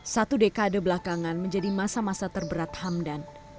satu dekade belakangan menjadi masa masa terberat hamdan